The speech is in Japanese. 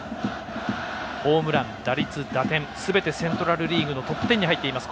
ホームラン、打率、打点すべてセントラル・リーグのトップ１０に入っています